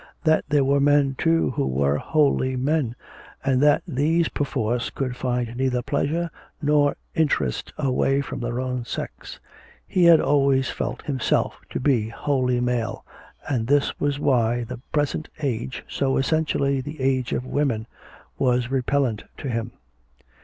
That there were men too who were wholly men, and that these perforce could find neither pleasure nor interest away from their own sex. He had always felt himself to be wholly male, and this was why the present age, so essentially the age of women, was repellent to him.